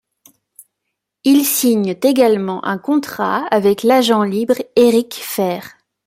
Ils signent également un contrat avec l'agent libre, Eric Fehr.